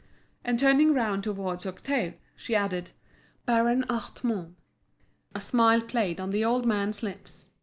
And turning round towards Octave, she added: "Baron Hartmann." A smile played on the old man's lips.